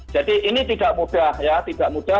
jadi ini tidak mudah ya tidak mudah